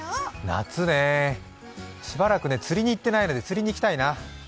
夏ね、しばらく釣りに行っていないので、釣りに行きたいな。